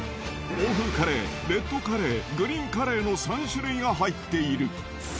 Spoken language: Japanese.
欧風カレー、レッドカレー、グリーンカレーの３種類が入っている。